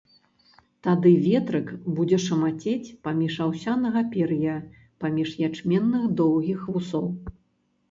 Тады ветрык будзе шамацець паміж аўсянага пер'я, паміж ячменных доўгіх вусоў.